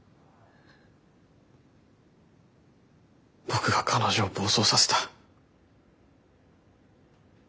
僕が彼女を暴走させた。